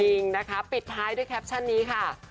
จริงนะคะปิดท้ายด้วยแคปชั่นนี้ค่ะ